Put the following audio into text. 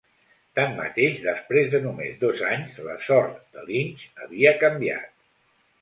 Tanmateix, després de només dos anys, la sort de Lynch havia canviat.